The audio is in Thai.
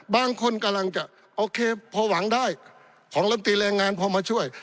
บางคนกำลังจะโอเคพอหวังได้ของลำตีแรงงานพอมาช่วย